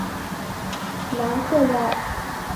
南克赖。